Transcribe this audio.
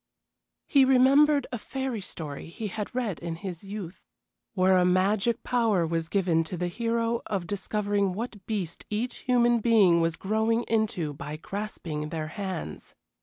He remembered a fairy story he had read in his youth, where a magic power was given to the hero of discovering what beast each human being was growing into by grasping their hands.